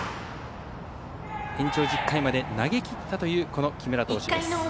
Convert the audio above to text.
延長１０回まで投げきったという木村投手。